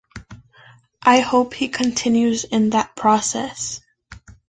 I hope he continues in that process.